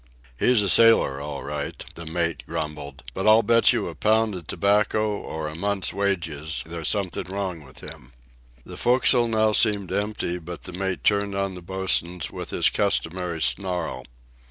"He's a sailor all right," the mate grumbled; "but I'll bet you a pound of tobacco or a month's wages there's something wrong with him." The forecastle now seemed empty, but the mate turned on the bosuns with his customary snarl.